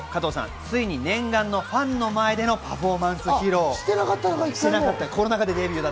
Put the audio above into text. ついに念願のファンの前でのパフォーマンス披露です。